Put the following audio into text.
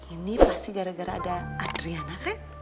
ini pasti gara gara ada adriana kan